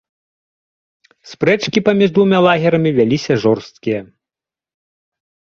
Спрэчкі паміж двума лагерамі вяліся жорсткія.